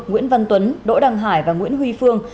nguyễn văn tuấn đỗ đăng hải và nguyễn huy phương